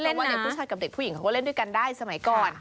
เพราะว่าเด็กผู้ชายกับเด็กผู้หญิงเขาก็เล่นด้วยกันได้สมัยก่อน